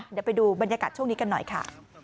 เดี๋ยวไปดูบรรยากาศช่วงนี้กันหน่อยค่ะ